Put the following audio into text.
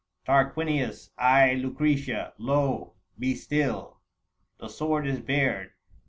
" Tarquinius I, Lucretia : lo, be still, 850 The sword is bared."